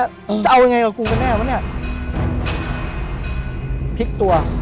จะเอายังไงกับกูก็แน่วแม่เนี่ย